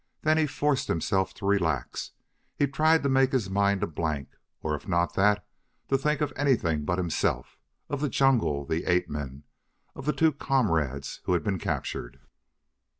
Then he forced himself to relax; he tried to make his mind a blank; or if not that, to think of anything but himself of the jungle, the ape men, of the two comrades who had been captured.